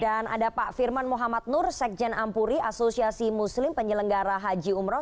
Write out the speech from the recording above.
dan ada pak firman muhammad nur sekjen ampuri asosiasi muslim penyelenggara haji umroh